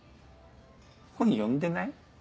本読んでない？